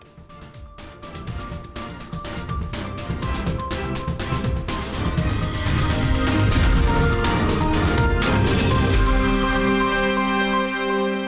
berita terkini mengenai cuaca ekstrem dua ribu dua puluh satu